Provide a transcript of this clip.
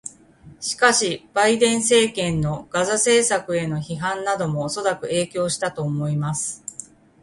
しかし、バイデン政権のガザ政策への批判などもおそらく影響したと思います。